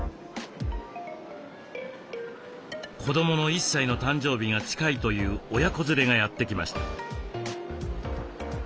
子どもの１歳の誕生日が近いという親子連れがやって来ました。